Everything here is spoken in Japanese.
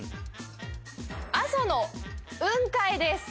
阿蘇の雲海です